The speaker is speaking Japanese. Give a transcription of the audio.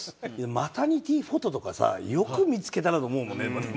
マタニティーフォトとかさよく見付けたなと思うもんね。